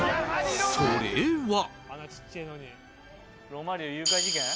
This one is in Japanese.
それは。